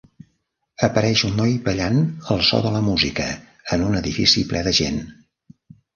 Apareix un noi ballant al so de la música en un edifici ple de gent.